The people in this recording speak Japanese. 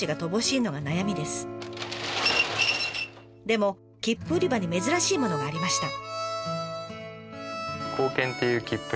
でも切符売り場に珍しいものがありました。